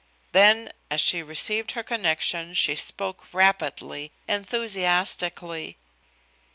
Then, as she received her connection, she spoke rapidly, enthusiastically.